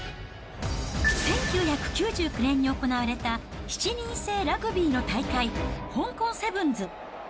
１９９９年に行われた７人制ラグビーの大会、香港セブンズ。